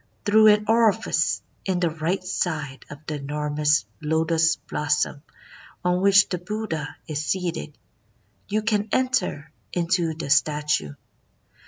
"Through an orifice in the right side of the enormous lotus blossom on which the Buddha is seated, you can enter into the statue.